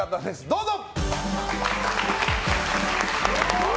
どうぞ！